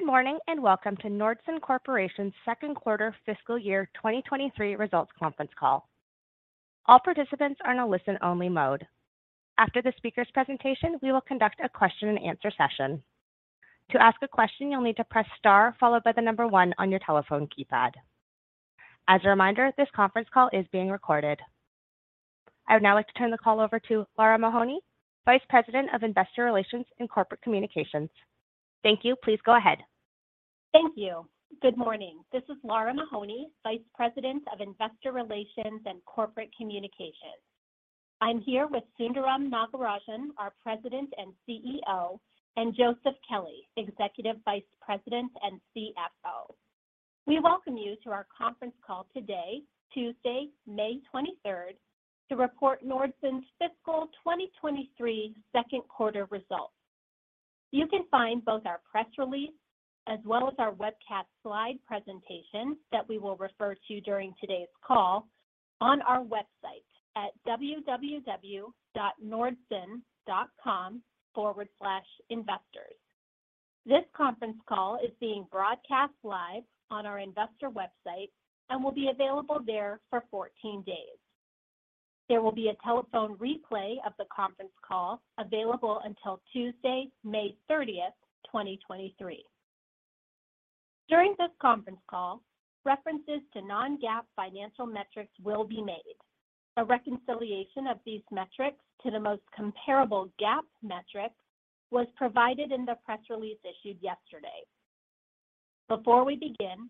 Good morning, and welcome to Nordson Corporation's second quarter fiscal year 2023 results conference call. All participants are in a listen-only mode. After the speaker's presentation, we will conduct a question and answer session. To ask a question, you'll need to press star followed by 1 on your telephone keypad. As a reminder, this conference call is being recorded. I would now like to turn the call over to Lara Mahoney, Vice President of Investor Relations and Corporate Communications. Thank you. Please go ahead. Thank you. Good morning. This is Lara Mahoney, Vice President of Investor Relations and Corporate Communications. I'm here with Sundaram Nagarajan, our President and CEO, and Joseph Kelley, Executive Vice President and CFO. We welcome you to our conference call today, Tuesday, May twenty-third, to report Nordson's fiscal 2023 second quarter results. You can find both our press release as well as our webcast slide presentation that we will refer to during today's call on our website at www.nordson.com/investors. This conference call is being broadcast live on our investor website and will be available there for 14 days. There will be a telephone replay of the conference call available until Tuesday, May thirtieth, 2023. During this conference call, references to non-GAAP financial metrics will be made. A reconciliation of these metrics to the most comparable GAAP metric was provided in the press release issued yesterday. Before we begin,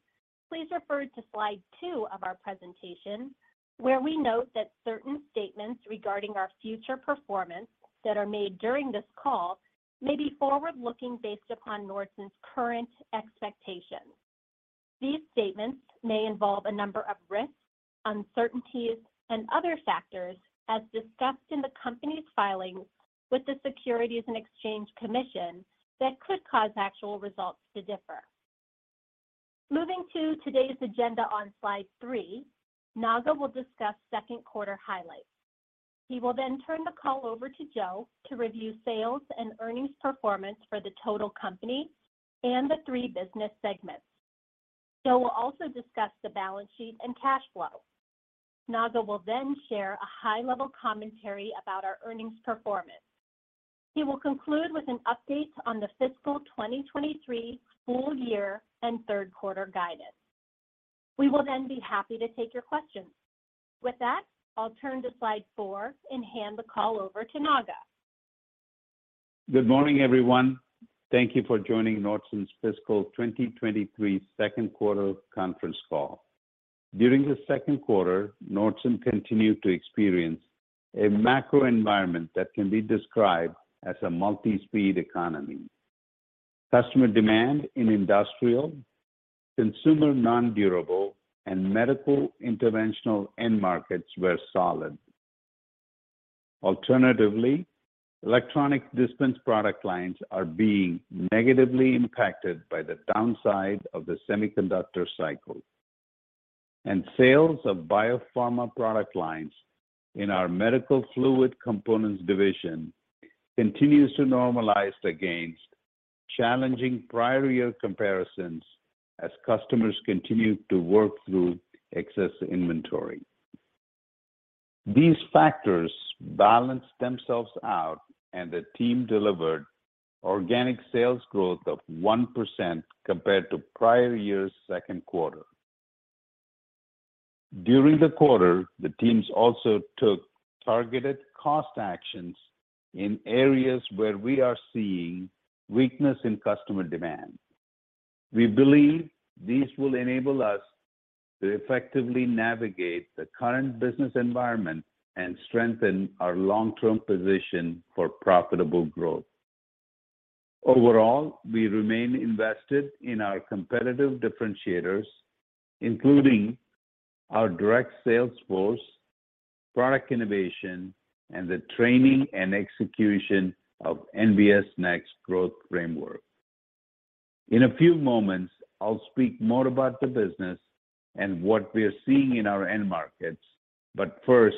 please refer to slide two of our presentation, where we note that certain statements regarding our future performance that are made during this call may be forward-looking based upon Nordson's current expectations. These statements may involve a number of risks, uncertainties, and other factors as discussed in the company's filings with the Securities and Exchange Commission that could cause actual results to differ. Moving to today's agenda on slide three, Naga will discuss second quarter highlights. He will turn the call over to Joe to review sales and earnings performance for the total company and the three business segments. Joe will also discuss the balance sheet and cash flow. Naga will share a high-level commentary about our earnings performance. He will conclude with an update on the fiscal 2023 full year and third quarter guidance. We will be happy to take your questions. With that, I'll turn to slide four and hand the call over to Naga. Good morning, everyone. Thank you for joining Nordson's fiscal 2023 second quarter conference call. During the second quarter, Nordson continued to experience a macro environment that can be described as a multi-speed economy. Customer demand in industrial, consumer non-durable, and medical interventional end markets were solid. Alternatively, electronic dispense product lines are being negatively impacted by the downside of the semiconductor cycle, and sales of biopharma product lines in our medical fluid components division continues to normalize against challenging prior year comparisons as customers continue to work through excess inventory. These factors balanced themselves out, and the team delivered organic sales growth of 1% compared to prior year's second quarter. During the quarter, the teams also took targeted cost actions in areas where we are seeing weakness in customer demand. We believe these will enable us to effectively navigate the current business environment and strengthen our long-term position for profitable growth. Overall, we remain invested in our competitive differentiators, including our direct sales force, product innovation, and the training and execution of NBS Next growth framework. In a few moments, I'll speak more about the business and what we're seeing in our end markets. First,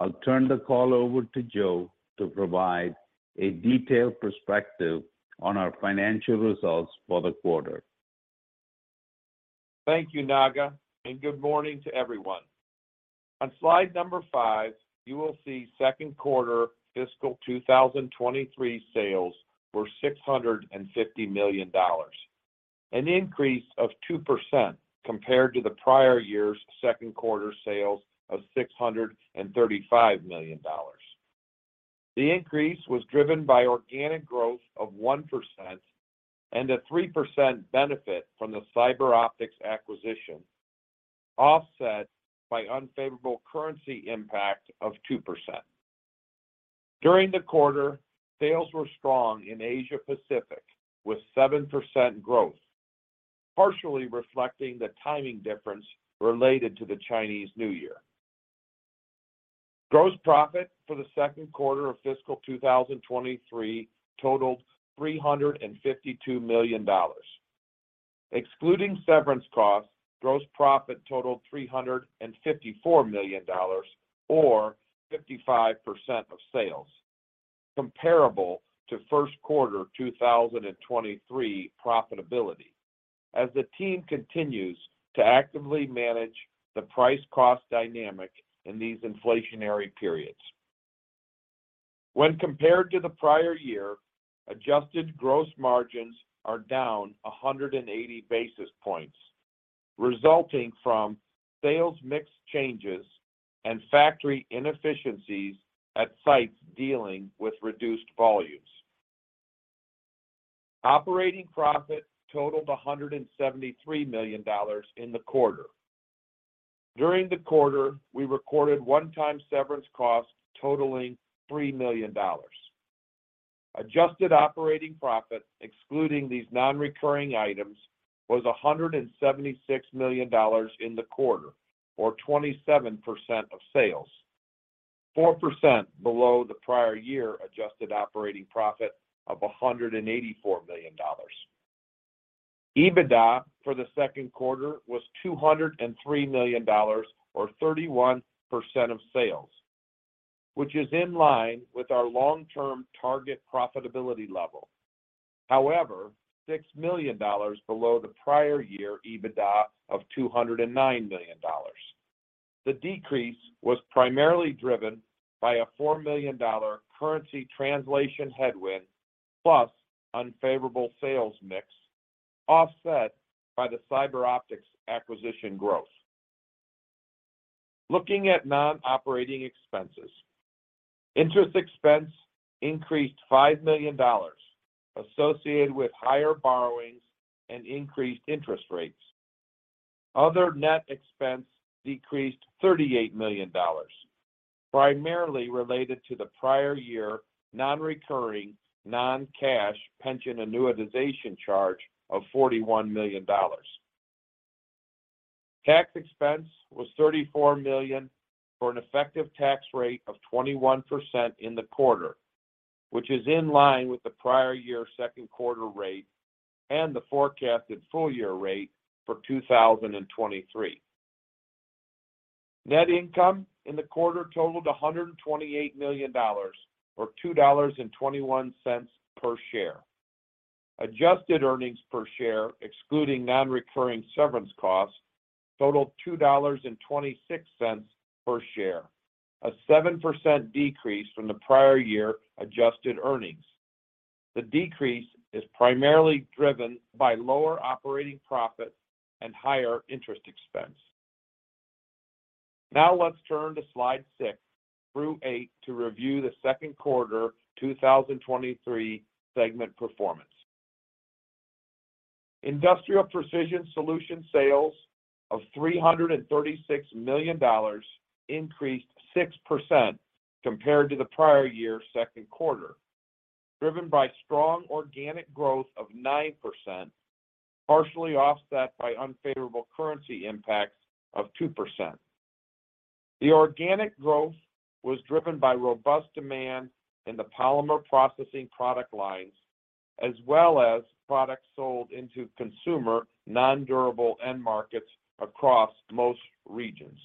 I'll turn the call over to Joe to provide a detailed perspective on our financial results for the quarter. Thank you, Naga, and good morning to everyone. On slide number five, you will see second quarter fiscal 2023 sales were $650 million, an increase of 2% compared to the prior year's second quarter sales of $635 million. The increase was driven by organic growth of 1% and a 3% benefit from the CyberOptics acquisition, offset by unfavorable currency impact of 2%. During the quarter, sales were strong in Asia Pacific with 7% growth, partially reflecting the timing difference related to the Chinese New Year. Gross profit for the second quarter of fiscal 2023 totaled $352 million. Excluding severance costs, gross profit totaled $354 million or 55% of sales. Comparable to first quarter 2023 profitability. As the team continues to actively manage the price cost dynamic in these inflationary periods. When compared to the prior year, adjusted gross margins are down 180 basis points, resulting from sales mix changes and factory inefficiencies at sites dealing with reduced volumes. Operating profit totaled $173 million in the quarter. During the quarter, we recorded one-time severance costs totaling $3 million. Adjusted operating profit, excluding these non-recurring items, was $176 million in the quarter, or 27% of sales. 4% below the prior year adjusted operating profit of $184 million. EBITDA for the second quarter was $203 million, or 31% of sales, which is in line with our long-term target profitability level. However, $6 million below the prior year EBITDA of $209 million. The decrease was primarily driven by a $4 million currency translation headwind, plus unfavorable sales mix, offset by the CyberOptics acquisition growth. Looking at non-operating expenses. Interest expense increased $5 million associated with higher borrowings and increased interest rates. Other net expense decreased $38 million, primarily related to the prior year non-recurring non-cash pension annuitization charge of $41 million. Tax expense was $34 million for an effective tax rate of 21% in the quarter, which is in line with the prior year second quarter rate and the forecasted full year rate for 2023. Net income in the quarter totaled $128 million, or $2.21 per share. Adjusted earnings per share, excluding non-recurring severance costs, totaled $2.26 per share, a 7% decrease from the prior-year adjusted earnings. The decrease is primarily driven by lower operating profit and higher interest expense. Let's turn to slide 6-8 to review the second quarter 2023 segment performance. Industrial Precision Solutions sales of $336 million increased 6% compared to the prior-year second quarter, driven by strong organic growth of 9%, partially offset by unfavorable currency impacts of 2%. The organic growth was driven by robust demand in the polymer processing product lines, as well as products sold into consumer non-durable end markets across most regions.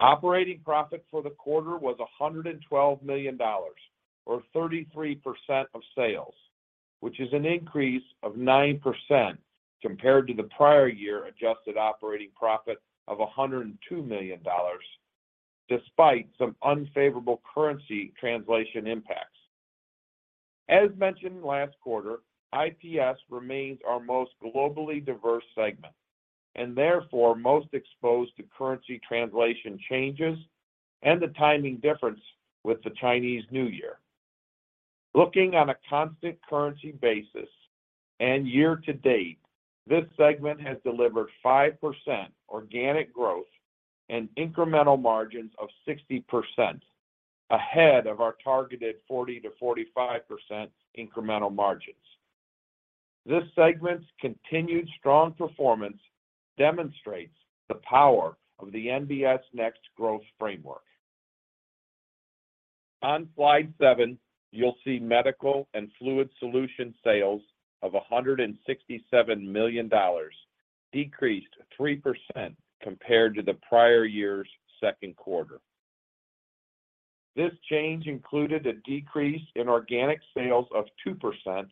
Operating profit for the quarter was $112 million, or 33% of sales, which is an increase of 9% compared to the prior year adjusted operating profit of $102 million, despite some unfavorable currency translation impacts. As mentioned last quarter, IPS remains our most globally diverse segment, therefore most exposed to currency translation changes and the timing difference with the Chinese New Year. Looking on a constant currency basis, year to date, this segment has delivered 5% organic growth and incremental margins of 60%, ahead of our targeted 40%-45% incremental margins. This segment's continued strong performance demonstrates the power of the NBS Next growth framework. On slide seven, you'll see Medical and Fluid Solutions sales of $167 million decreased 3% compared to the prior year's second quarter. This change included a decrease in organic sales of 2%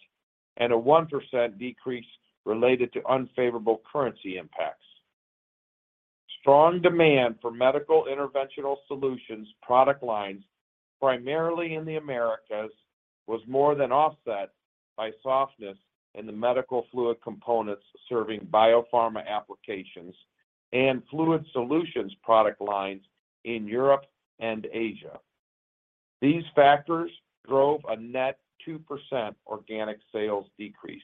and a 1% decrease related to unfavorable currency impacts. Strong demand for medical interventional solutions product lines, primarily in the Americas, was more than offset by softness in the medical fluid components serving biopharma applications and fluid solutions product lines in Europe and Asia. These factors drove a net 2% organic sales decrease.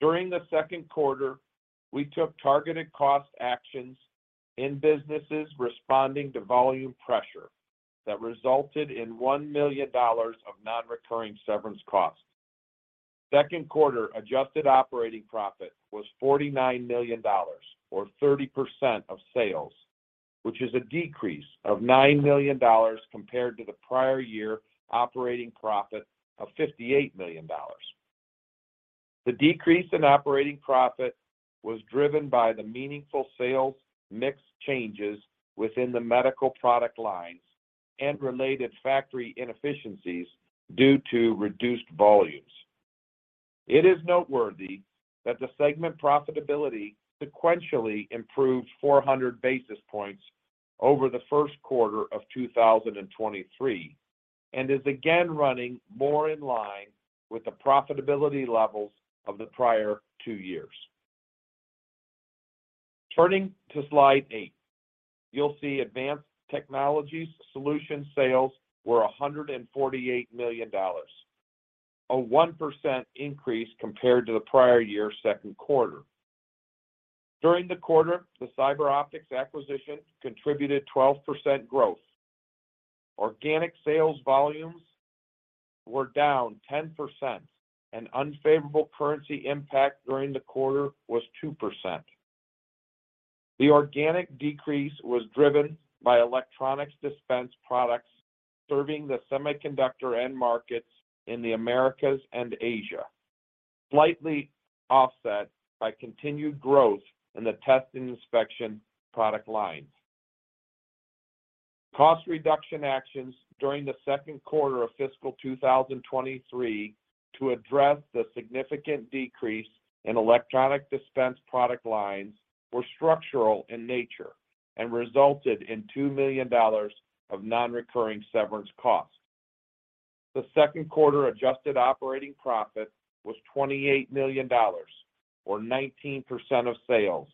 During the second quarter, we took targeted cost actions in businesses responding to volume pressure that resulted in $1 million of non-recurring severance costs. Second quarter adjusted operating profit was $49 million or 30% of sales, which is a decrease of $9 million compared to the prior year operating profit of $58 million. The decrease in operating profit was driven by the meaningful sales mix changes within the medical product lines and related factory inefficiencies due to reduced volumes. It is noteworthy that the segment profitability sequentially improved 400 basis points over the 1st quarter of 2023, is again running more in line with the profitability levels of the prior two years. Turning to slide 8, you'll see Advanced Technology Solutions sales were $148 million, a 1% increase compared to the prior year's 2nd quarter. During the quarter, the CyberOptics acquisition contributed 12% growth. Organic sales volumes were down 10%. An unfavorable currency impact during the quarter was 2%. The organic decrease was driven by electronics dispense products serving the semiconductor end markets in the Americas and Asia, slightly offset by continued growth in the test and inspection product lines. Cost reduction actions during the second quarter of fiscal 2023 to address the significant decrease in electronic dispense product lines were structural in nature and resulted in $2 million of non-recurring severance costs. The second quarter adjusted operating profit was $28 million or 19% of sales,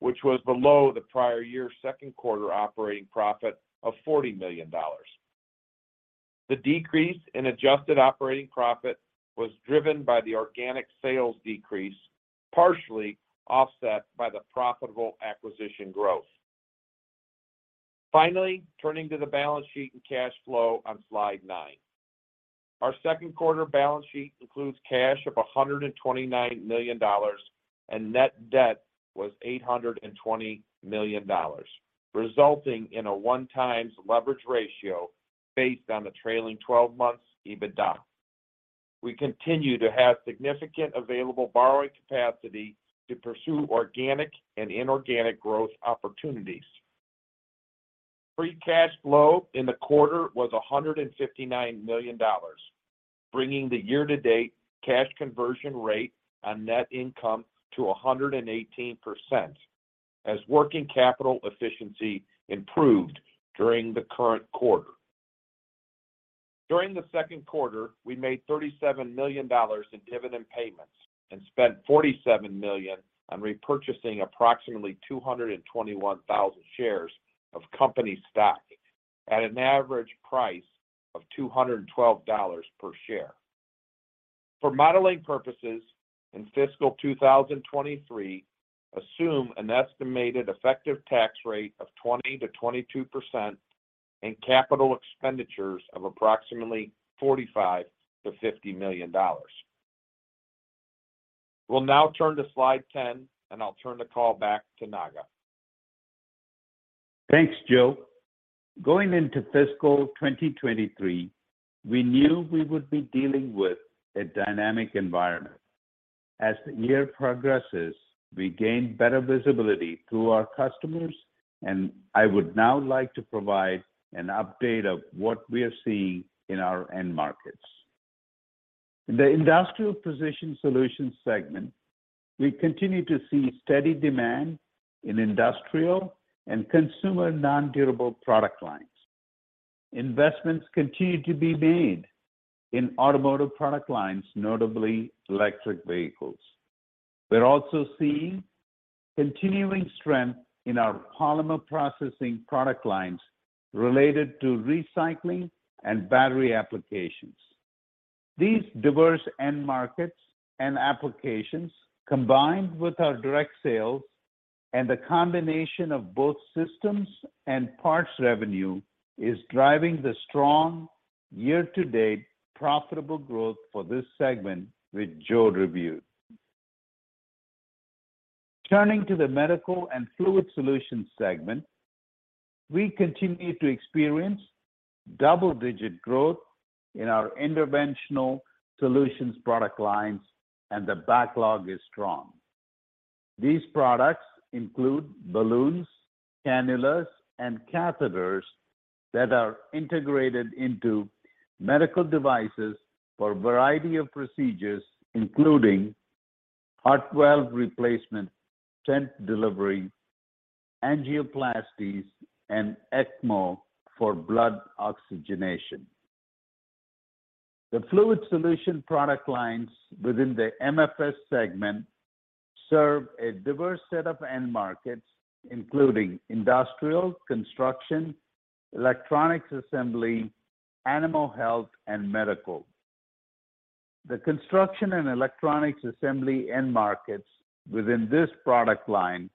which was below the prior year's second quarter operating profit of $40 million. The decrease in adjusted operating profit was driven by the organic sales decrease, partially offset by the profitable acquisition growth. Finally, turning to the balance sheet and cash flow on slide 9. Our second quarter balance sheet includes cash of $129 million, and net debt was $820 million, resulting in a 1x leverage ratio based on the trailing 12 months EBITDA. We continue to have significant available borrowing capacity to pursue organic and inorganic growth opportunities. Free cash flow in the quarter was $159 million, bringing the year-to-date cash conversion rate on net income to 118% as working capital efficiency improved during the current quarter. During the second quarter, we made $37 million in dividend payments and spent $47 million on repurchasing approximately 221,000 shares of company stock at an average price of $212 per share. For modeling purposes in fiscal 2023, assume an estimated effective tax rate of 20%-22% and capital expenditures of approximately $45 million-$50 million. We'll now turn to slide 10, and I'll turn the call back to Naga. Thanks, Joe. Going into fiscal 2023, we knew we would be dealing with a dynamic environment. As the year progresses, we gain better visibility to our customers. I would now like to provide an update of what we are seeing in our end markets. In the Industrial Precision Solutions segment, we continue to see steady demand in industrial and consumer non-durable product lines. Investments continue to be made in automotive product lines, notably electric vehicles. We're also seeing continuing strength in our polymer processing product lines related to recycling and battery applications. These diverse end markets and applications, combined with our direct sales and the combination of both systems and parts revenue, is driving the strong year-to-date profitable growth for this segment, which Joe reviewed. Turning to the Medical and Fluid Solutions segment, we continue to experience double-digit growth in our interventional solutions product lines, and the backlog is strong. These products include balloons, cannulas, and catheters that are integrated into medical devices for a variety of procedures, including heart valve replacement, stent delivery, angioplasties, and ECMO for blood oxygenation. The fluid solution product lines within the MFS segment serve a diverse set of end markets, including industrial, construction, electronics assembly, animal health, and medical. The construction and electronics assembly end markets within this product line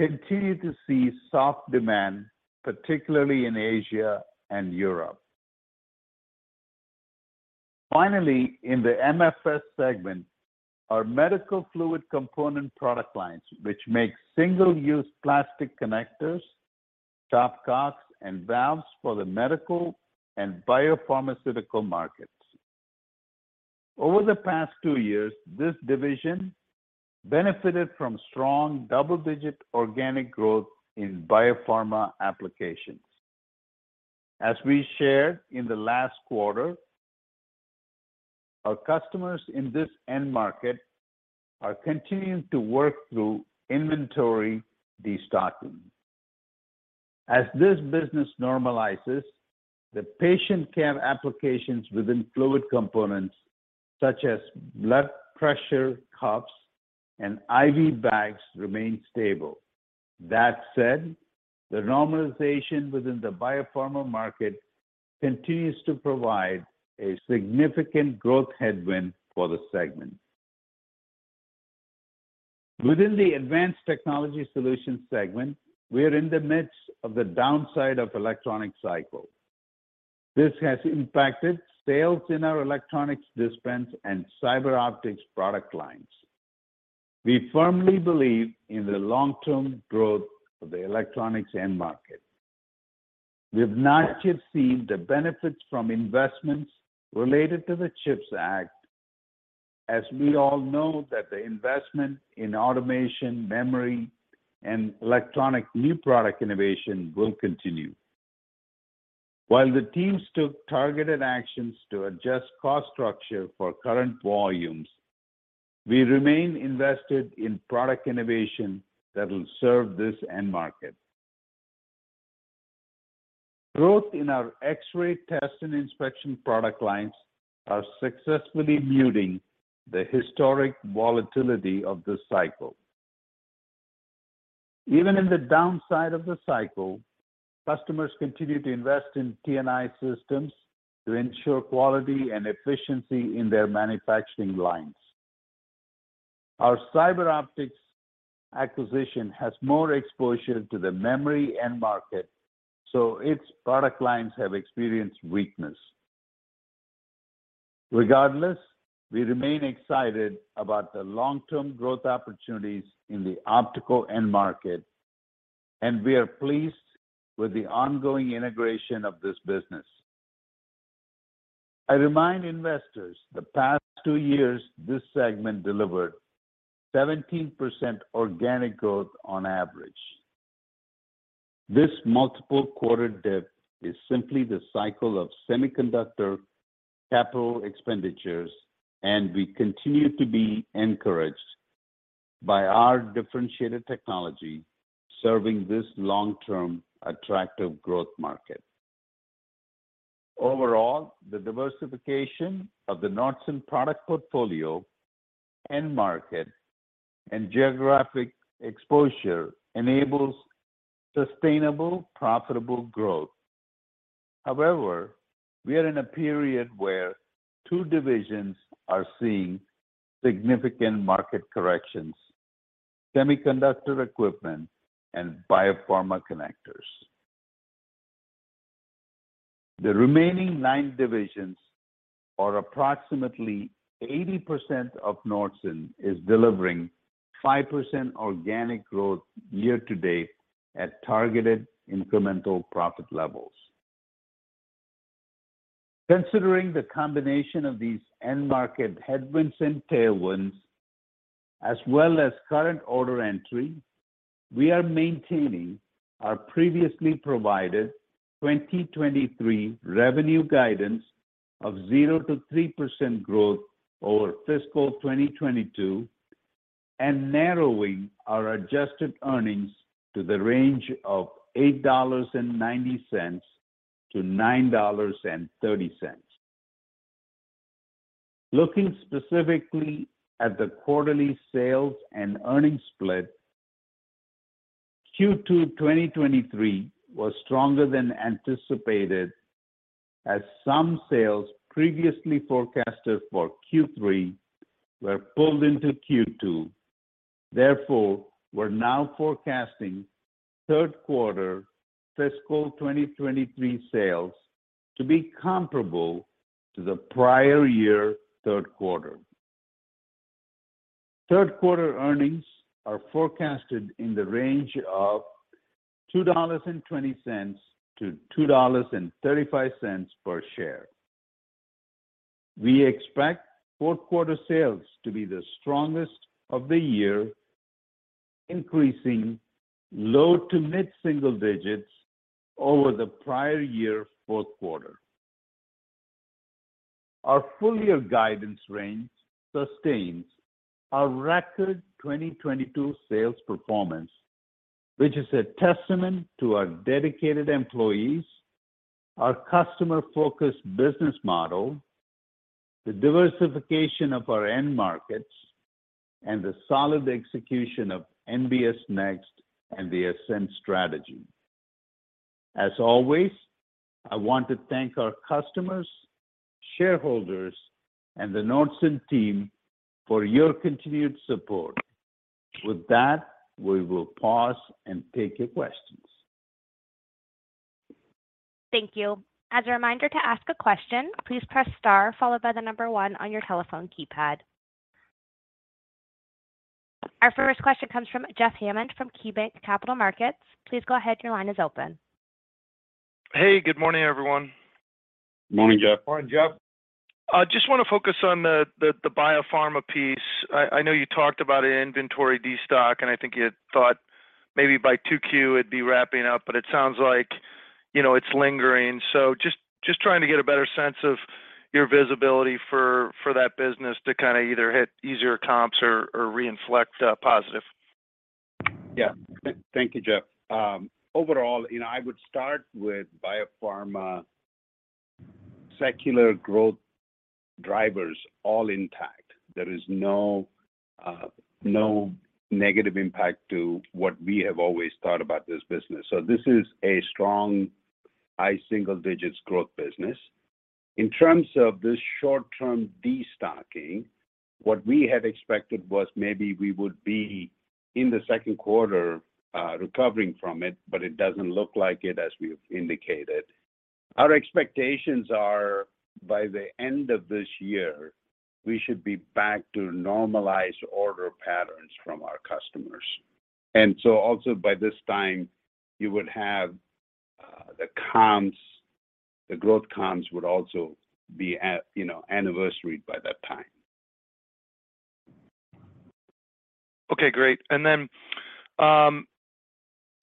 continue to see soft demand, particularly in Asia and Europe. Finally, in the MFS segment, our medical fluid component product lines, which make single-use plastic connectors, stopcocks and valves for the medical and biopharmaceutical markets. Over the past two years, this division benefited from strong double-digit organic growth in biopharma applications. As we shared in the last quarter, our customers in this end market are continuing to work through inventory destocking. As this business normalizes, the patient care applications within fluid components such as blood pressure cuffs and IV bags remain stable. That said, the normalization within the biopharma market continues to provide a significant growth headwind for the segment. Within the Advanced Technology Solutions segment, we are in the midst of the downside of electronic cycle. This has impacted sales in our electronics dispense and CyberOptics product lines. We firmly believe in the long-term growth of the electronics end market. We have not yet seen the benefits from investments related to the CHIPS Act, as we all know that the investment in automation, memory, and electronic new product innovation will continue. While the teams took targeted actions to adjust cost structure for current volumes, we remain invested in product innovation that will serve this end market. Growth in our X-ray test and inspection product lines are successfully muting the historic volatility of this cycle. Even in the downside of the cycle, customers continue to invest in T&I systems to ensure quality and efficiency in their manufacturing lines. Our CyberOptics acquisition has more exposure to the memory end market. Its product lines have experienced weakness. Regardless, we remain excited about the long-term growth opportunities in the optical end market, and we are pleased with the ongoing integration of this business. I remind investors the past two years this segment delivered 17% organic growth on average. This multiple quarter dip is simply the cycle of semiconductor capital expenditures, and we continue to be encouraged by our differentiated technology serving this long-term attractive growth market. Overall, the diversification of the Nordson product portfolio, end market, and geographic exposure enables sustainable, profitable growth. However, we are in a period where two divisions are seeing significant market corrections: semiconductor equipment and biopharma connectors. The remaining nine divisions, or approximately 80% of Nordson, is delivering 5% organic growth year-to-date at targeted incremental profit levels. Considering the combination of these end market headwinds and tailwinds as well as current order entry, we are maintaining our previously provided 2023 revenue guidance of 0%-3% growth over fiscal 2022 and narrowing our adjusted earnings to the range of $8.90-$9.30. Looking specifically at the quarterly sales and earnings split, Q2 2023 was stronger than anticipated as some sales previously forecasted for Q3 were pulled into Q2. We're now forecasting third quarter fiscal 2023 sales to be comparable to the prior year third quarter. Third quarter earnings are forecasted in the range of $2.20-$2.35 per share. We expect fourth quarter sales to be the strongest of the year, increasing low to mid-single digits over the prior year fourth quarter. Our full year guidance range sustains our record 2022 sales performance, which is a testament to our dedicated employees, our customer-focused business model, the diversification of our end markets, and the solid execution of NBS Next and the Ascend Strategy. I want to thank our customers, shareholders, and the Nordson team for your continued support. With that, we will pause and take your questions. Thank you. As a reminder to ask a question, please press star followed by 1 on your telephone keypad. Our first question comes from Jeffrey Hammond from KeyBanc Capital Markets. Please go ahead. Your line is open. Hey, good morning, everyone. Morning, Jeff. Morning, Jeff. I just want to focus on the biopharma piece. I know you talked about inventory destock, and I think you had thought maybe by 2Q it'd be wrapping up, but it sounds like, you know, it's lingering. Just trying to get a better sense of your visibility for that business to kind of either hit easier comps or reinflate positive. Yeah. Thank you, Jeff. Overall, you know, I would start with biopharma secular growth drivers all intact. There is no negative impact to what we have always thought about this business. This is a strong high single digits growth business. In terms of this short-term destocking, what we had expected was maybe we would be in the second quarter recovering from it. It doesn't look like it, as we've indicated. Our expectations are by the end of this year, we should be back to normalized order patterns from our customers. Also by this time you would have the growth comps would also be at, you know, anniversary by that time. Okay, great.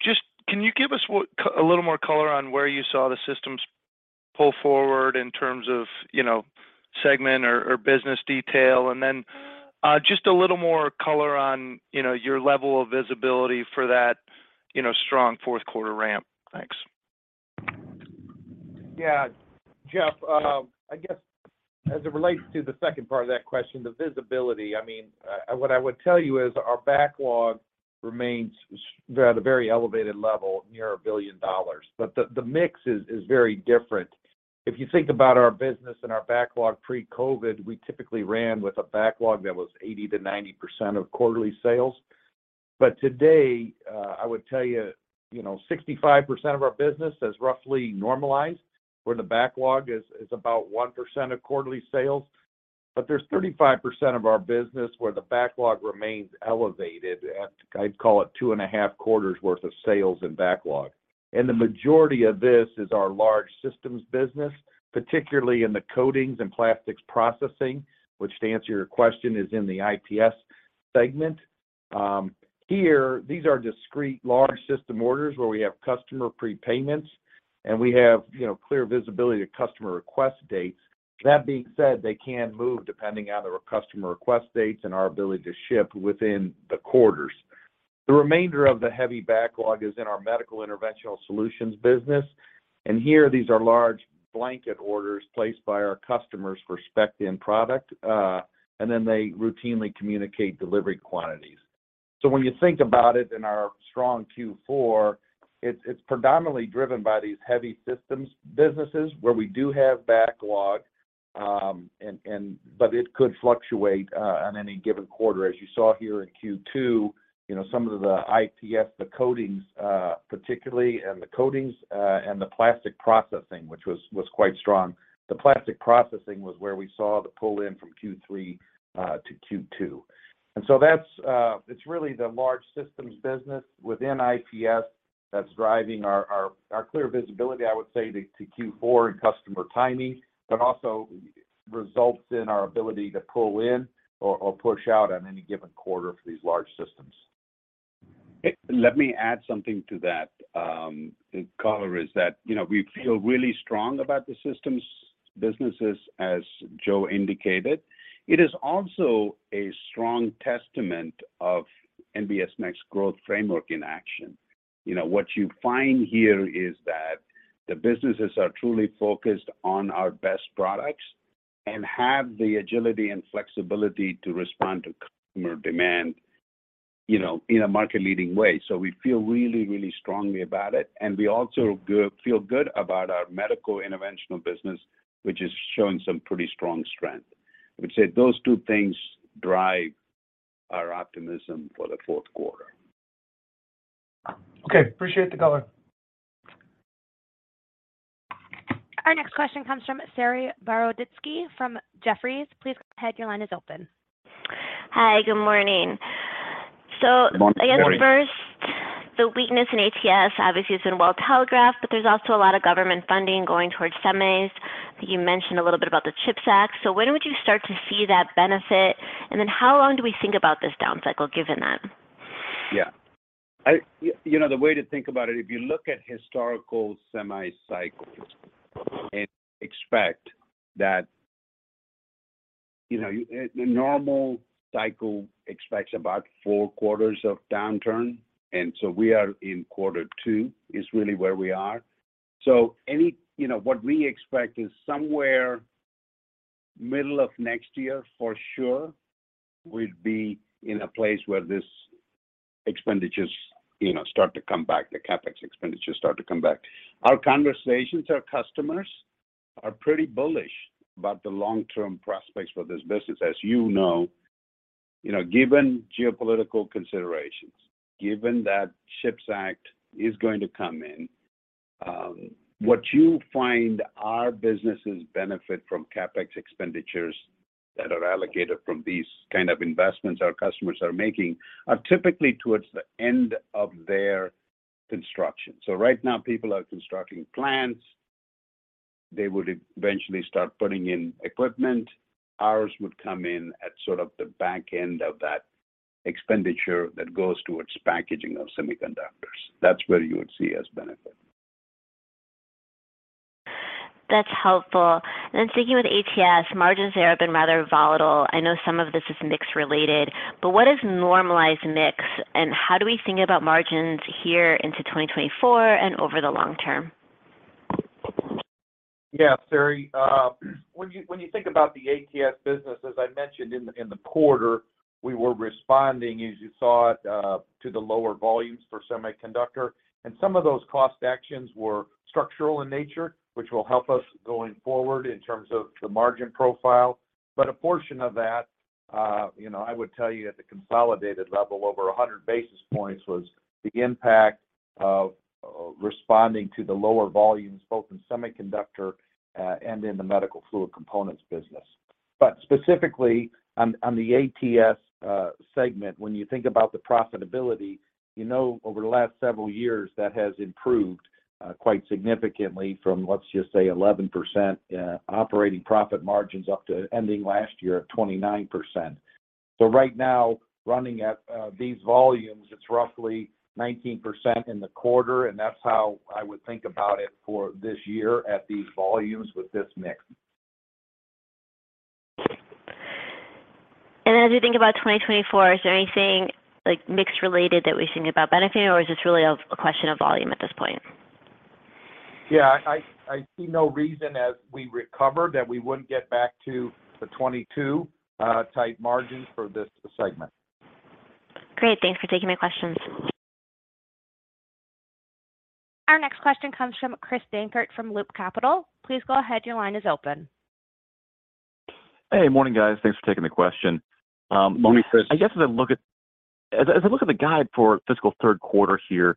Just can you give us a little more color on where you saw the systems pull forward in terms of, you know, segment or business detail? Just a little more color on, you know, your level of visibility for that, you know, strong fourth quarter ramp. Thanks. Yeah. Jeff, I guess as it relates to the second part of that question, the visibility, I mean, what I would tell you is our backlog remains at a very elevated level, near $1 billion. The mix is very different. If you think about our business and our backlog pre-COVID, we typically ran with a backlog that was 80%-90% of quarterly sales. Today, I would tell you know, 65% of our business has roughly normalized, where the backlog is about 1% of quarterly sales. There's 35% of our business where the backlog remains elevated at, I'd call it two and a half quarters worth of sales in backlog. The majority of this is our large systems business, particularly in the coatings and plastics processing, which to answer your question, is in the IPS segment. Here these are discrete large system orders where we have customer prepayments, and we have, you know, clear visibility to customer request dates. That being said, they can move depending on the customer request dates and our ability to ship within the quarters. The remainder of the heavy backlog is in our medical interventional solutions business. Here these are large blanket orders placed by our customers for spec-in product, and then they routinely communicate delivery quantities. When you think about it in our strong Q4, it's predominantly driven by these heavy systems businesses where we do have backlog, and but it could fluctuate on any given quarter as you saw here in Q2, you know, some of the IPS, the coatings, particularly and the coatings, and the plastic processing, which was quite strong. The plastic processing was where we saw the pull-in from Q3 to Q2. It's really the large systems business within IPS that's driving our clear visibility, I would say to Q4 and customer timing, but also results in our ability to pull in or push out on any given quarter for these large systems. Let me add something to that color, is that, you know, we feel really strong about the systems businesses, as Joe indicated. It is also a strong testament of NBS Next Growth Framework in action. You know, what you find here is that the businesses are truly focused on our best products and have the agility and flexibility to respond to customer demand, you know, in a market-leading way. We feel really, really strongly about it, and we also feel good about our medical interventional business, which is showing some pretty strong strength. I would say those two things drive our optimism for the fourth quarter. Okay. Appreciate the color. Our next question comes from Saree Boroditsky from Jefferies. Please go ahead. Your line is open. Hi. Good morning. Good morning. I guess first, the weakness in ATS obviously has been well telegraphed, but there's also a lot of government funding going towards semis. I think you mentioned a little bit about the CHIPS Act. When would you start to see that benefit? How long do we think about this down cycle given that? You know, the way to think about it, if you look at historical semi cycles and expect that, you know, a normal cycle expects about 4 quarters of downturn, we are in quarter 2, is really where we are. You know, what we expect is somewhere middle of next year for sure, we'll be in a place where this expenditures, you know, start to come back, the CapEx expenditures start to come back. Our conversations with customers are pretty bullish about the long-term prospects for this business, as you know. You know, given geopolitical considerations, given that CHIPS Act is going to come in. What you find our businesses benefit from CapEx expenditures that are allocated from these kind of investments our customers are making are typically towards the end of their construction. Right now, people are constructing plants. They would eventually start putting in equipment. Ours would come in at sort of the back end of that expenditure that goes towards packaging of semiconductors. That's where you would see us benefit. That's helpful. Sticking with ATS, margins there have been rather volatile. I know some of this is mix related, but what is normalized mix and how do we think about margins here into 2024 and over the long term? Yeah, Sari, when you, when you think about the ATS business, as I mentioned in the, in the quarter, we were responding as you saw it, to the lower volumes for semiconductor. Some of those cost actions were structural in nature, which will help us going forward in terms of the margin profile. A portion of that, you know, I would tell you at the consolidated level, over 100 basis points was the impact of responding to the lower volumes, both in semiconductor, and in the medical fluid components business. Specifically on the ATS segment, when you think about the profitability, you know, over the last several years, that has improved quite significantly from, let's just say, 11% operating profit margins up to ending last year at 29%. Right now running at, these volumes, it's roughly 19% in the quarter, and that's how I would think about it for this year at these volumes with this mix. As you think about 2024, is there anything like mix related that we should think about benefiting or is this really a question of volume at this point? Yeah. I see no reason as we recover that we wouldn't get back to the 22% type margins for this segment. Great. Thanks for taking my questions. Our next question comes from Christopher Dankert from Loop Capital. Please go ahead. Your line is open. Hey. Morning, guys. Thanks for taking the question. Morning, Chris. I guess as I look at, as I look at the guide for fiscal third quarter here,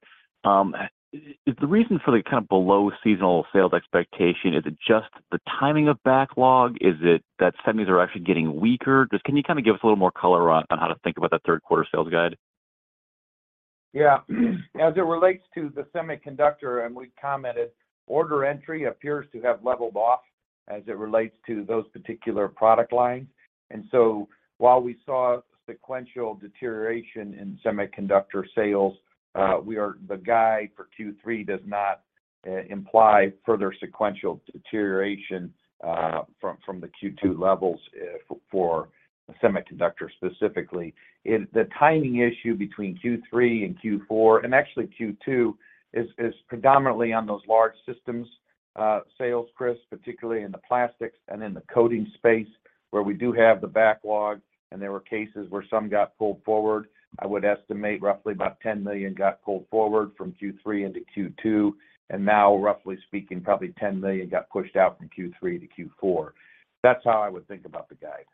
is the reason for the kind of below seasonal sales expectation, is it just the timing of backlog? Is it that semis are actually getting weaker? Just can you kind of give us a little more color on how to think about that third quarter sales guide? Yeah. As it relates to the semiconductor, and we commented, order entry appears to have leveled off as it relates to those particular product lines. While we saw sequential deterioration in semiconductor sales, the guide for Q3 does not imply further sequential deterioration from the Q2 levels for semiconductors specifically. The timing issue between Q3 and Q4, and actually Q2, is predominantly on those large systems sales, Chris, particularly in the plastics and in the coating space where we do have the backlog, and there were cases where some got pulled forward. I would estimate roughly about $10 million got pulled forward from Q3 into Q2, now roughly speaking, probably $10 million got pushed out from Q3 to Q4. That's how I would think about the guide.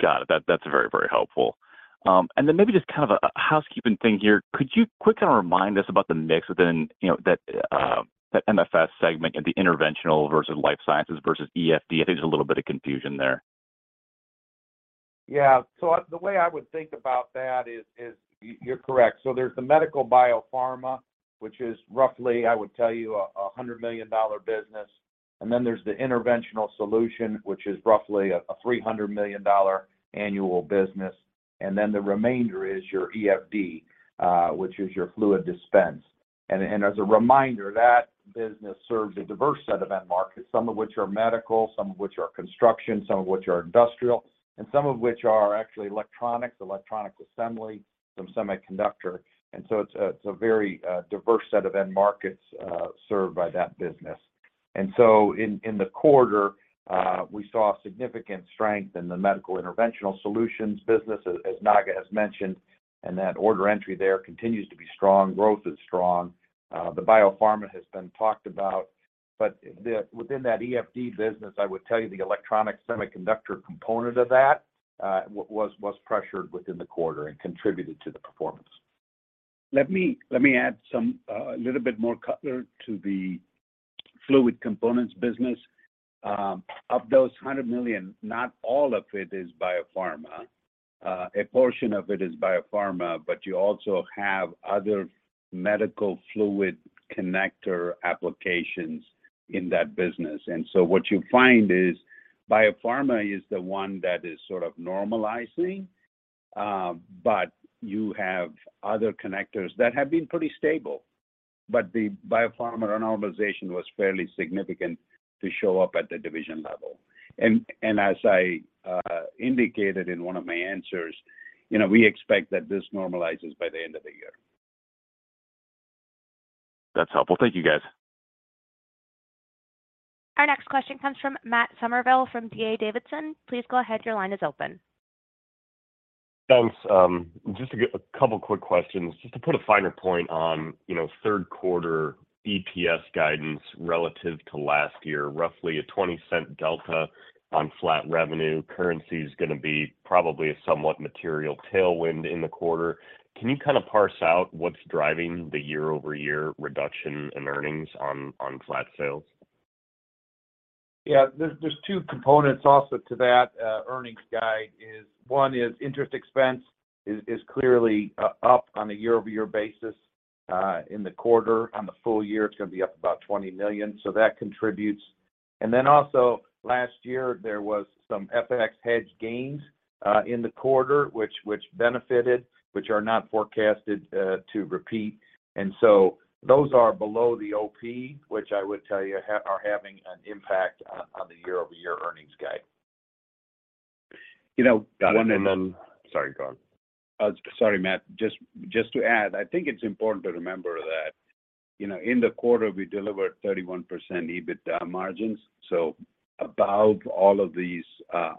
Got it. That's very, very helpful. Then maybe just kind of a housekeeping thing here. Could you quickly remind us about the mix within, you know, that MFS segment and the interventional versus life sciences versus EFD? I think there's a little bit of confusion there. Yeah. The way I would think about that is you're correct. There's the medical biopharma, which is roughly, I would tell you, a $100 million business. There's the interventional solution, which is roughly a $300 million annual business. The remainder is your EFD, which is your fluid dispense. As a reminder, that business serves a diverse set of end markets, some of which are medical, some of which are construction, some of which are industrial, and some of which are actually electronics assembly, some semiconductor. It's a very diverse set of end markets served by that business. In the quarter, we saw significant strength in the medical interventional solutions business, as Naga has mentioned, and that order entry there continues to be strong. Growth is strong. The biopharma has been talked about. Within that EFD business, I would tell you the electronic semiconductor component of that was pressured within the quarter and contributed to the performance. Let me add some a little bit more color to the fluid components business. Of those $100 million, not all of it is biopharma. A portion of it is biopharma, but you also have other medical fluid connector applications in that business. What you find is biopharma is the one that is sort of normalizing, but you have other connectors that have been pretty stable. The biopharma normalization was fairly significant to show up at the division level. As I indicated in one of my answers, you know, we expect that this normalizes by the end of the year. That's helpful. Thank you, guys. Our next question comes from Matthew Summerville from D.A. Davidson. Please go ahead. Your line is open. Thanks. Just a couple quick questions, just to put a finer point on, you know, third quarter EPS guidance relative to last year, roughly a $0.20 delta on flat revenue. Currency's gonna be probably a somewhat material tailwind in the quarter. Can you kind of parse out what's driving the year-over-year reduction in earnings on flat sales? Yeah, there's two components also to that earnings guide is one is interest expense is clearly up on a year-over-year basis in the quarter. On the full year, it's gonna be up about $20 million, so that contributes. Also last year there was some FX hedge gains in the quarter, which benefited, which are not forecasted to repeat. Those are below the OP, which I would tell you are having an impact on the year-over-year earnings guide. You know- Got it. Sorry, go on. Sorry, Matt. Just to add, I think it's important to remember that, you know, in the quarter we delivered 31% EBITDA margins, above all of these,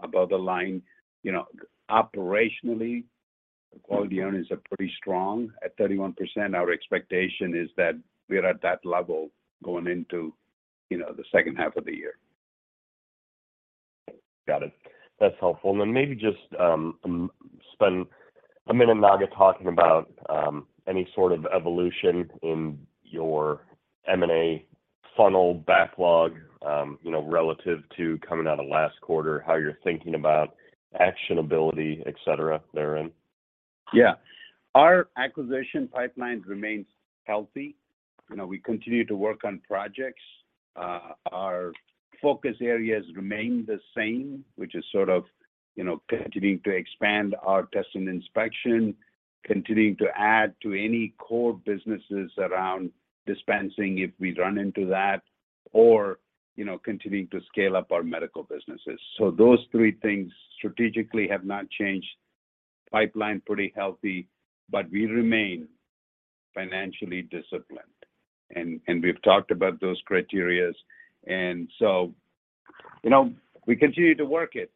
above the line. You know, operationally, the quality earnings are pretty strong. At 31%, our expectation is that we are at that level going into, you know, the second half of the year. Got it. That's helpful. Then maybe just spend a minute, Naga, talking about any sort of evolution in your M&A funnel backlog, you know, relative to coming out of last quarter, how you're thinking about actionability, et cetera, therein. Yeah. Our acquisition pipeline remains healthy. You know, we continue to work on projects. Our focus areas remain the same, which is sort of, you know, continuing to expand our test and inspection, continuing to add to any core businesses around dispensing if we run into that or, you know, continuing to scale up our medical businesses. Those three things strategically have not changed. Pipeline pretty healthy, we remain financially disciplined and we've talked about those criterias. You know, we continue to work it,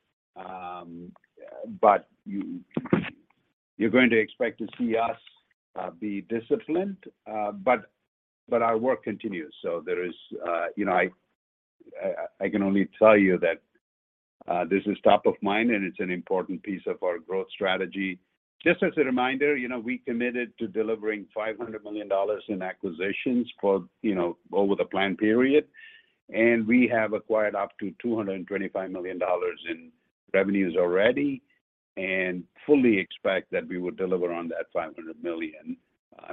you're going to expect to see us be disciplined. Our work continues. There is, you know, I can only tell you that this is top of mind, and it's an important piece of our growth strategy. Just as a reminder, you know, we committed to delivering $500 million in acquisitions for, you know, over the plan period, and we have acquired up to $225 million in revenues already and fully expect that we would deliver on that $500 million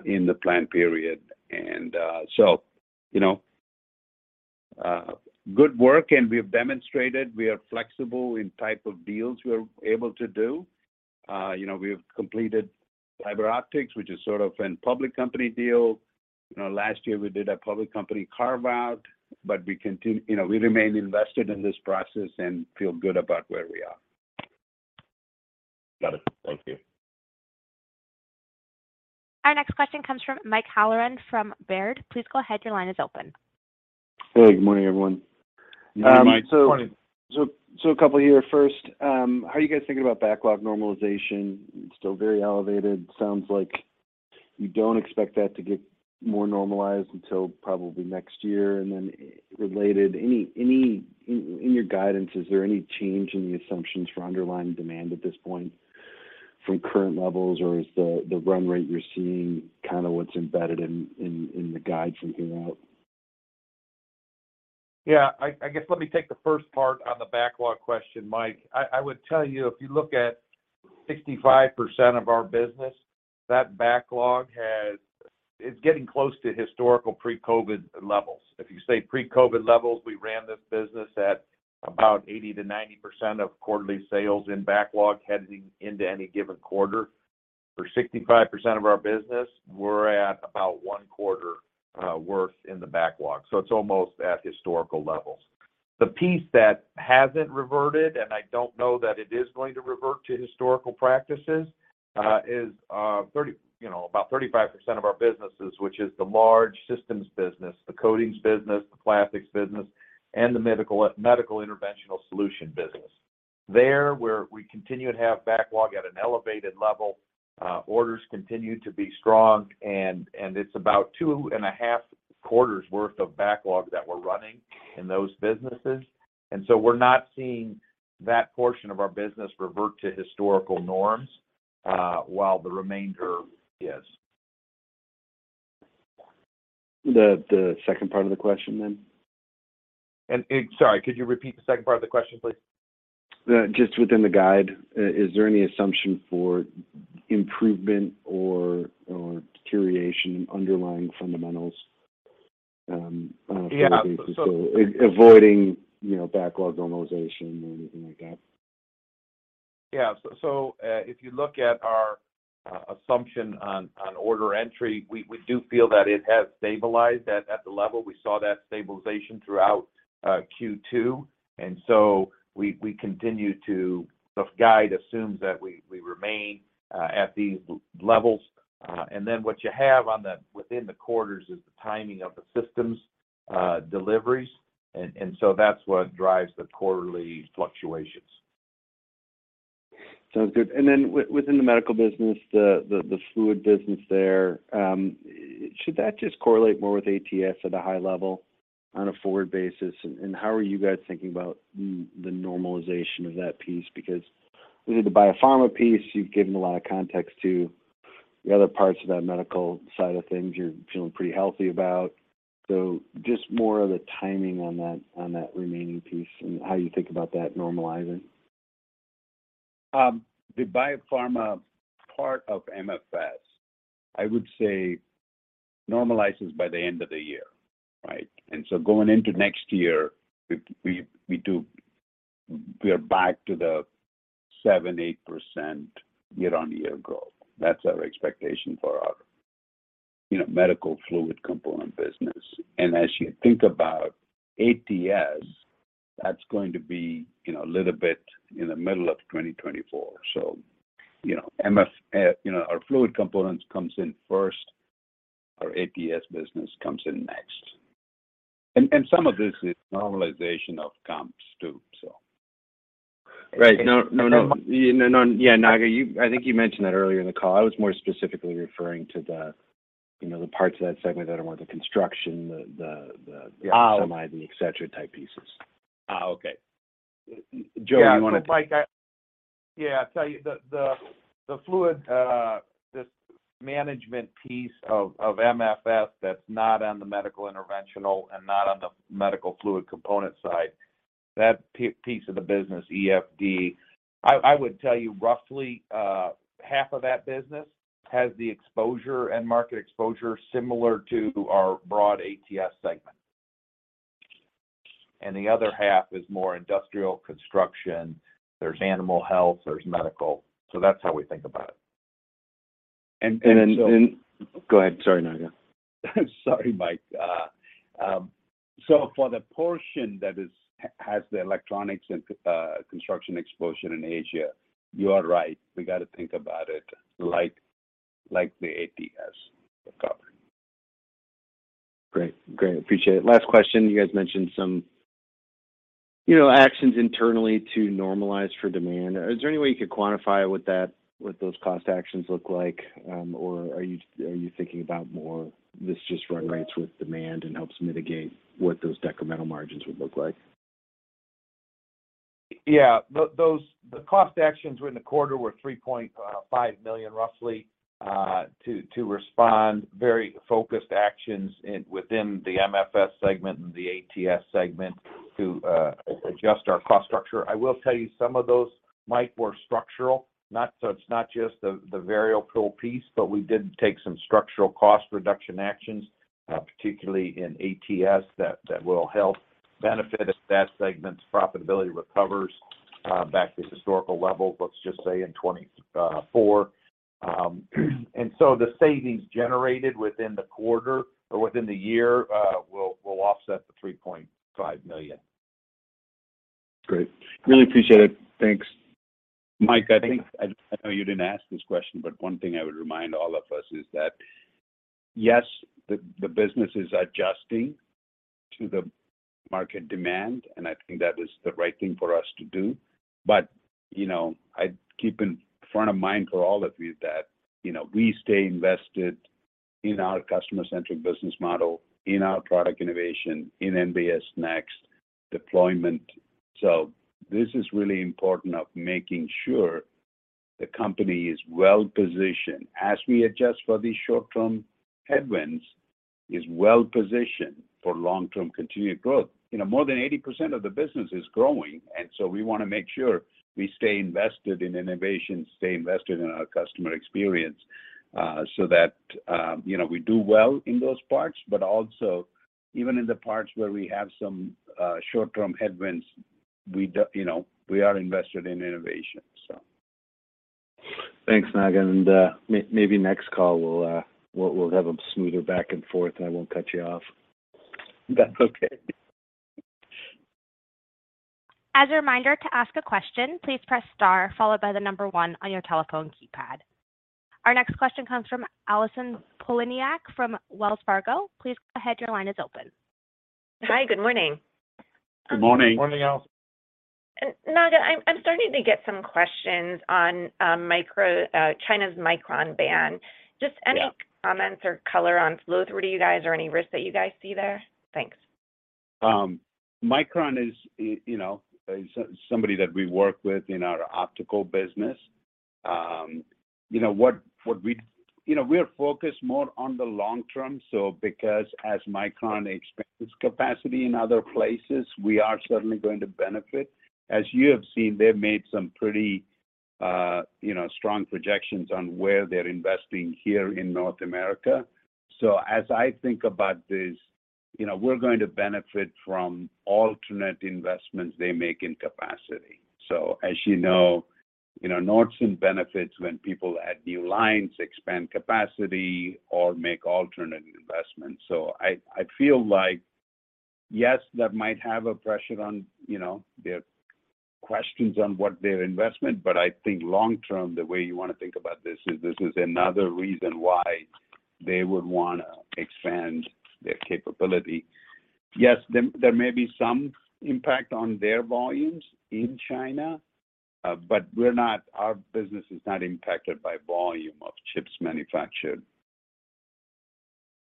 in the plan period. You know, good work, and we have demonstrated we are flexible in type of deals we are able to do. You know, we've completed CyberOptics, which is sort of an public company deal. You know, last year we did a public company carve-out, but we, you know, we remain invested in this process and feel good about where we are. Got it. Thank you. Our next question comes from Michael Halloran from Baird. Please go ahead. Your line is open. Hey, good morning, everyone. Good morning, Mike. Morning. A couple here. First, how are you guys thinking about backlog normalization? It's still very elevated. Sounds like you don't expect that to get more normalized until probably next year. Related, any... In your guidance, is there any change in the assumptions for underlying demand at this point from current levels, or is the run rate you're seeing kind of what's embedded in the guide from here out? I guess let me take the first part on the backlog question, Mike. I would tell you, if you look at 65% of our business, that backlog is getting close to historical pre-COVID levels. If you say pre-COVID levels, we ran this business at about 80%-90% of quarterly sales in backlog heading into any given quarter. For 65% of our business, we're at about 1 quarter worth in the backlog, so it's almost at historical levels. The piece that hasn't reverted, and I don't know that it is going to revert to historical practices, is, you know, about 35% of our businesses, which is the large systems business, the coatings business, the plastics business, and the medical interventional solution business. There, where we continue to have backlog at an elevated level, orders continue to be strong and it's about two and a half quarters worth of backlog that we're running in those businesses. We're not seeing that portion of our business revert to historical norms, while the remainder is. The second part of the question then? Sorry, could you repeat the second part of the question, please? Just within the guide, is there any assumption for improvement or deterioration in underlying fundamentals? Yeah.... avoiding, you know, backlog normalization or anything like that? If you look at our assumption on order entry, we do feel that it has stabilized at the level. We saw that stabilization throughout Q2. The guide assumes that we remain at these levels. What you have within the quarters is the timing of the systems deliveries. That's what drives the quarterly fluctuations. Sounds good. Within the medical business, the fluid business there, should that just correlate more with ATS at a high level on a forward basis, and how are you guys thinking about the normalization of that piece? Because with the biopharma piece, you've given a lot of context to. The other parts of that medical side of things, you're feeling pretty healthy about. Just more of the timing on that remaining piece and how you think about that normalizing. The biopharma part of MFS, I would say normalizes by the end of the year, right? Going into next year, we are back to the 7%-8% year-over-year growth. That's our expectation for our, you know, medical fluid component business. As you think about ATS, that's going to be, you know, a little bit in the middle of 2024. You know, MF, you know, our fluid components comes in first, our ATS business comes in next. Some of this is normalization of comps too. Right. No, no. Yeah, Naga, I think you mentioned that earlier in the call. I was more specifically referring to the, you know, the parts of that segment that are more the construction. Ah. semi the et cetera type pieces. Okay. Joe, you wanna take-? Yeah. Mike, I... Yeah, I'll tell you, the fluid, this management piece of MFS that's not on the medical interventional and not on the medical fluid component side, that piece of the business, EFD, I would tell you roughly half of that business has the exposure and market exposure similar to our broad ATS segment. The other half is more industrial construction. There's animal health, there's medical. That's how we think about it. And, and then- So- Go ahead. Sorry, Naga. Sorry, Mike. For the portion that has the electronics and construction exposure in Asia, you are right. We got to think about it like the ATS recovery. Great. Great. Appreciate it. Last question. You guys mentioned some, you know, actions internally to normalize for demand. Is there any way you could quantify what those cost actions look like? Are you thinking about more this just run rates with demand and helps mitigate what those decremental margins would look like? The cost actions within the quarter were $3.5 million roughly, to respond, very focused actions within the MFS segment and the ATS segment to adjust our cost structure. I will tell you some of those, Mike, were structural, not so it's not just the variable piece, but we did take some structural cost reduction actions, particularly in ATS that will help benefit as that segment's profitability recovers, back to historical levels, let's just say in 2024. The savings generated within the quarter or within the year, will offset the $3.5 million. Great. Really appreciate it. Thanks. Mike, I know you didn't ask this question, but one thing I would remind all of us is that, yes, the business is adjusting to the market demand, and I think that is the right thing for us to do. You know, I keep in front of mind for all of you that, you know, we stay invested in our customer-centric business model, in our product innovation, in NBS Next deployment. This is really important of making sure the company is well-positioned, as we adjust for these short-term headwinds, is well-positioned for long-term continued growth. You know, more than 80% of the business is growing. We wanna make sure we stay invested in innovation, stay invested in our customer experience, so that, you know, we do well in those parts, but also even in the parts where we have some short-term headwinds, you know, we are invested in innovation, so. Thanks, Naga. Maybe next call we'll have a smoother back and forth, and I won't cut you off. That's okay. As a reminder, to ask a question, please press star followed by 1 on your telephone keypad. Our next question comes from Allison Poliniak-Cusic from Wells Fargo. Please go ahead. Your line is open. Hi. Good morning. Good morning. Good morning, Allison. Naga, I'm starting to get some questions on China's Micron ban. Yeah. Just any comments or color on flow-through to you guys or any risks that you guys see there? Thanks. Micron is, you know, somebody that we work with in our optical business. You know, we are focused more on the long term, so because as Micron expands capacity in other places, we are certainly going to benefit. As you have seen, they've made some pretty, you know, strong projections on where they're investing here in North America. As I think about this, you know, we're going to benefit from alternate investments they make in capacity. As you know, you know, Nordson benefits when people add new lines, expand capacity, or make alternate investments. I feel like, yes, that might have a pressure on, you know, their questions on what their investment, but I think long term, the way you wanna think about this is this is another reason why they would wanna expand their capability. Yes, there may be some impact on their volumes in China, but our business is not impacted by volume of chips manufactured.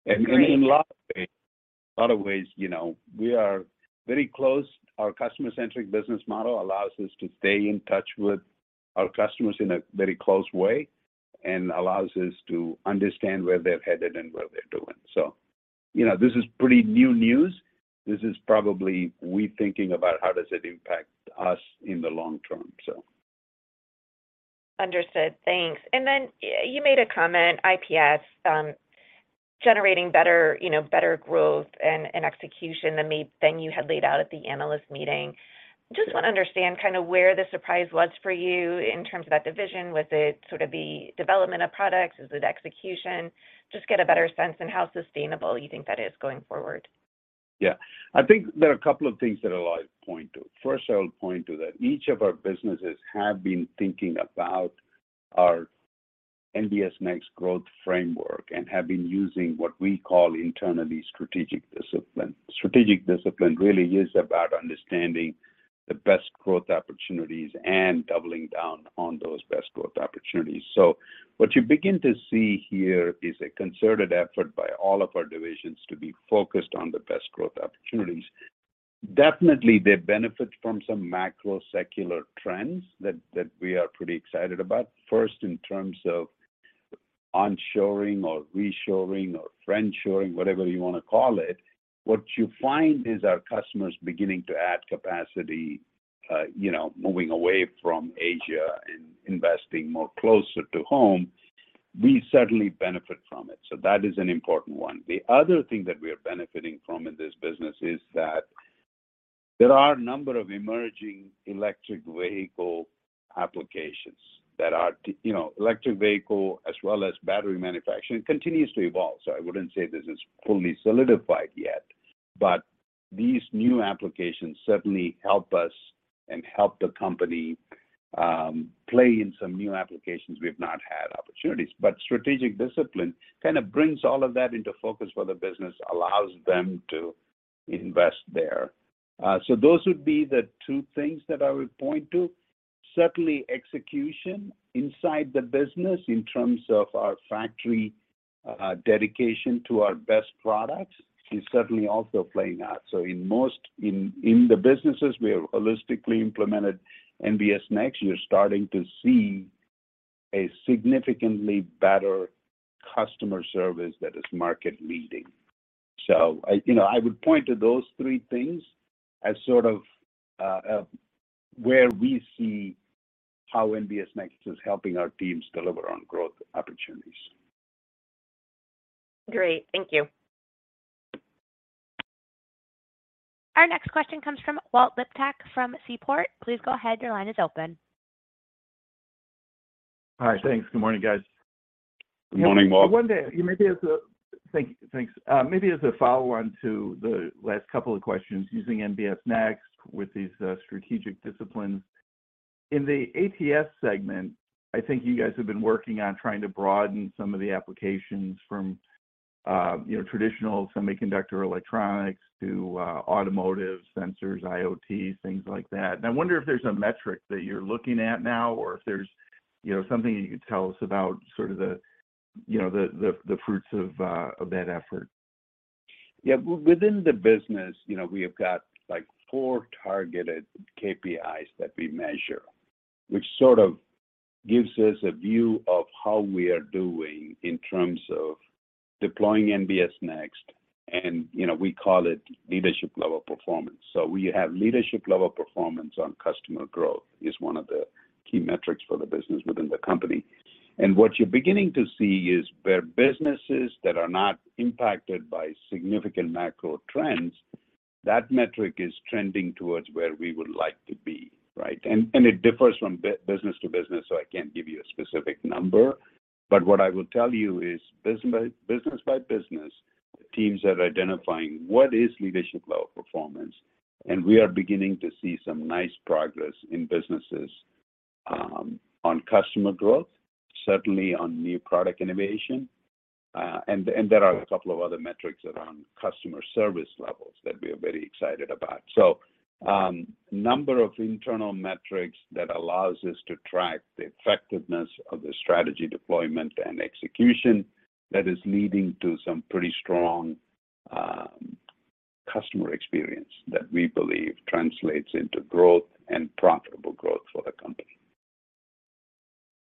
In a lot of ways, you know, we are very close. Our customer-centric business model allows us to stay in touch with our customers in a very close way and allows us to understand where they're headed and what they're doing. You know, this is pretty new news. This is probably we thinking about how does it impact us in the long term so. Understood. Thanks. Then you made a comment, IPS, generating better, you know, better growth and execution than you had laid out at the analyst meeting. Just wanna understand kind of where the surprise was for you in terms of that division. Was it sort of the development of products? Is it execution? Just get a better sense in how sustainable you think that is going forward. Yeah. I think there are a couple of things that I point to. First, I'll point to that each of our businesses have been thinking about our NBS Next growth framework and have been using what we call internally strategic discipline. Strategic discipline really is about understanding the best growth opportunities and doubling down on those best growth opportunities. What you begin to see here is a concerted effort by all of our divisions to be focused on the best growth opportunities. Definitely, they benefit from some macro secular trends that we are pretty excited about. First, in terms of onshoring or reshoring or friendshoring, whatever you wanna call it, what you find is our customers beginning to add capacity, you know, moving away from Asia and investing more closer to home. We certainly benefit from it, so that is an important one. The other thing that we are benefiting from in this business is that there are a number of emerging electric vehicle applications that are you know, electric vehicle as well as battery manufacturing. It continues to evolve, so I wouldn't say this is fully solidified yet. These new applications certainly help us and help the company play in some new applications we've not had opportunities. Strategic discipline kind of brings all of that into focus for the business, allows them to invest there. Those would be the two things that I would point to. Certainly, execution inside the business in terms of our factory, dedication to our best products is certainly also playing out. In the businesses, we have holistically implemented NBS Next. You're starting to see a significantly better customer service that is market leading. I, you know, I would point to those three things as sort of where we see how NBS Next is helping our teams deliver on growth opportunities. Great. Thank you. Our next question comes from Walt Liptak from Seaport. Please go ahead. Your line is open. Hi. Thanks. Good morning, guys. Good morning, Walt. One day, maybe. Thanks. Maybe as a follow-on to the last couple of questions using NBS Next with these strategic disciplines. In the ATS segment, I think you guys have been working on trying to broaden some of the applications from, you know, traditional semiconductor electronics to automotive sensors, IoT, things like that. I wonder if there's a metric that you're looking at now or if there's, you know, something you could tell us about sort of the, you know, the fruits of that effort. Within the business, you know, we have got like four targeted KPIs that we measure, which sort of gives us a view of how we are doing in terms of deploying NBS Next, and, you know, we call it leadership level performance. We have leadership level performance on customer growth is one of the key metrics for the business within the company. What you're beginning to see is where businesses that are not impacted by significant macro trends, that metric is trending towards where we would like to be, right? It differs from business to business, so I can't give you a specific number. What I will tell you is business by business, teams are identifying what is leadership level performance, and we are beginning to see some nice progress in businesses on customer growth, certainly on new product innovation. And there are a couple of other metrics around customer service levels that we are very excited about. Number of internal metrics that allows us to track the effectiveness of the strategy deployment and execution that is leading to some pretty strong, customer experience that we believe translates into growth and profitable growth for the company.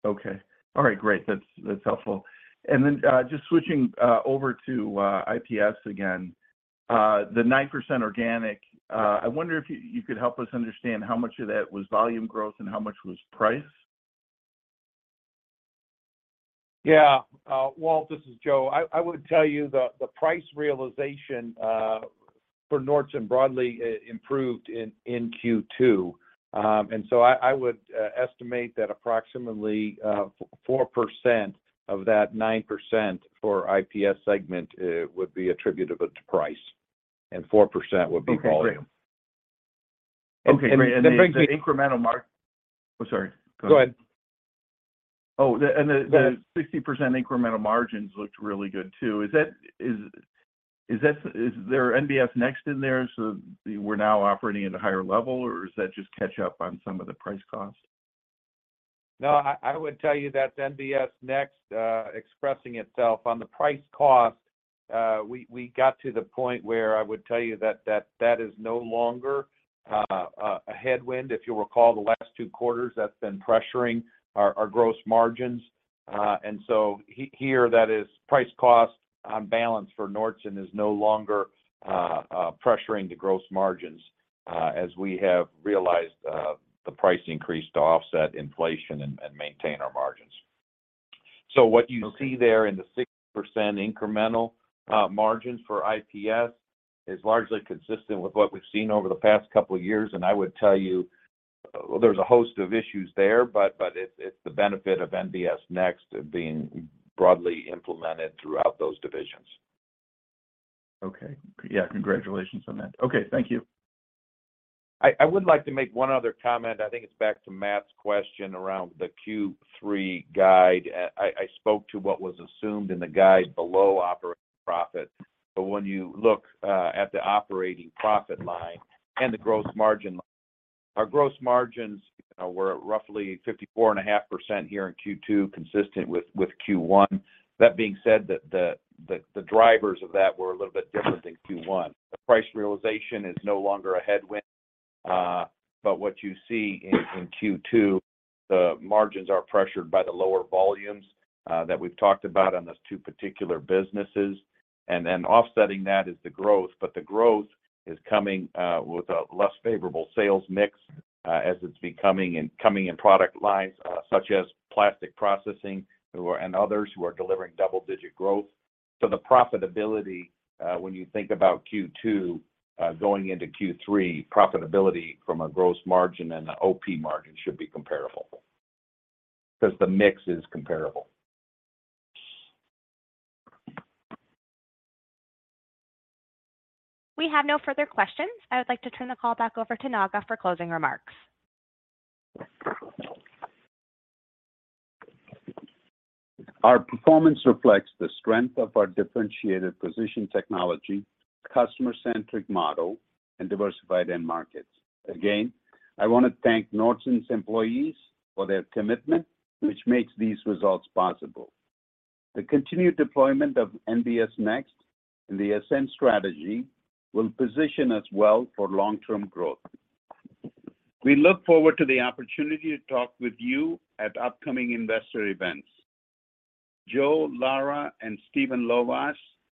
Okay. All right. Great. That's helpful. Then just switching over to IPS again. The 9% organic, I wonder if you could help us understand how much of that was volume growth and how much was price. Yeah. Walt, this is Joe. I would tell you the price realization for Nordson broadly improved in Q2. I would estimate that approximately 4% of that 9% for IPS segment would be attributable to price, and 4% would be volume. Okay. Great. That brings me. Oh, sorry. Go ahead. Go ahead. The 60% incremental margins looked really good too. Is there NBS Next in there, so we're now operating at a higher level, or is that just catch up on some of the price cost? I would tell you that's NBS Next expressing itself. On the price cost, we got to the point where I would tell you that is no longer a headwind. If you'll recall the last 2 quarters, that's been pressuring our gross margins. Here, that is price cost on balance for Nordson is no longer pressuring the gross margins, as we have realized the price increase to offset inflation and maintain our margins. What you see there in the 6% incremental margins for IPS is largely consistent with what we've seen over the past couple of years. I would tell you there's a host of issues there, but it's the benefit of NBS Next of being broadly implemented throughout those divisions. Okay. Yeah, congratulations on that. Okay, thank you. I would like to make one other comment. I think it's back to Matt's question around the Q3 guide. I spoke to what was assumed in the guide below operating profit. When you look at the operating profit line and the gross margin, our gross margins were roughly 54.5% here in Q2, consistent with Q1. That being said, the drivers of that were a little bit different than Q1. The price realization is no longer a headwind, but what you see in Q2, the margins are pressured by the lower volumes, that we've talked about on those two particular businesses. Offsetting that is the growth, but the growth is coming with a less favorable sales mix, as it's becoming and coming in product lines such as plastic processing and others who are delivering double-digit growth. The profitability, when you think about Q2 going into Q3, profitability from a gross margin and the OP margin should be comparable because the mix is comparable. We have no further questions. I would like to turn the call back over to Naga for closing remarks. Our performance reflects the strength of our differentiated position technology, customer-centric model, and diversified end markets. Again, I wanna thank Nordson's employees for their commitment, which makes these results possible. The continued deployment of NBS Next and the ASCEND strategy will position us well for long-term growth. We look forward to the opportunity to talk with you at upcoming investor events. Joe Lara and Steven Lovaas,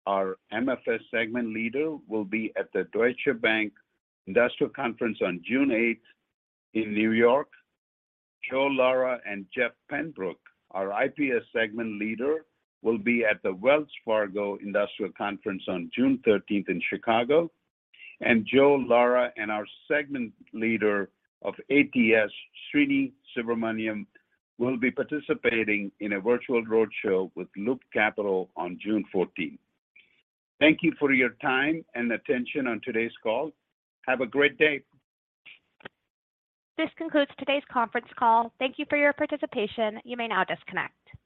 our MFS segment leader, will be at the Deutsche Bank Industrial Conference on June 8th in New York. Joe Lara and Jeff Pembroke, our IPS segment leader, will be at the Wells Fargo Industrial Conference on June 13th in Chicago. Joe Lara and our segment leader of ATS, Srini Subramanian, will be participating in a virtual roadshow with Loop Capital on June 14th. Thank you for your time and attention on today's call. Have a great day. This concludes today's conference call. Thank you for your participation. You may now disconnect.